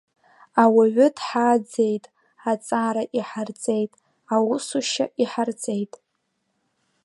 Ауаҩы дҳааӡеит, аҵара иҳарҵеит, аусушьа иҳарҵеит.